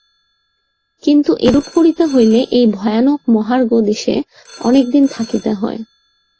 কিন্তু এরূপ করিতে হইলে এই ভয়ানক মহার্ঘ দেশে অনেক দিন থাকিতে হয়।